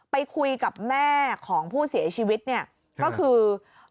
ไปคุยกับแม่ของผู้เสียชีวิตเนี่ยก็คือ